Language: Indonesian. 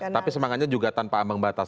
tapi semangatnya juga tanpa ambang batas